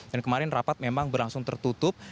dan kemarin rapat memang berlangsung tertutup